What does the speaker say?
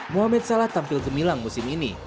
mohamed salah tampil gemilang musim ini